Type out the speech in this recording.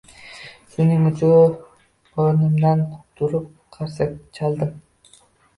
Shuning uchun o‘rnimdan turib qarsak chaldim